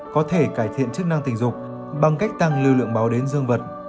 có thể cải thiện chức năng tình dục bằng cách tăng lưu lượng máu đến dương vật